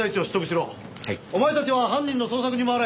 お前たちは犯人の捜索に回れ！